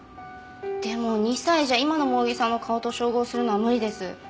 でも２歳じゃ今の萌衣さんの顔と照合するのは無理です。